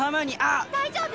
大丈夫？